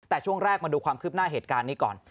แต่ช่วงแรกมาดูความคืบหน้าเหตุการณ์นี้ก่อน